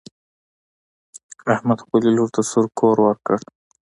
احمد خپلې لور ته سور کور ورکړ.